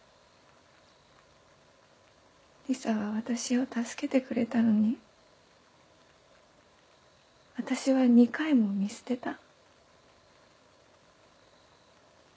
リサは私を助けてくれたのに私は２回も見捨てた。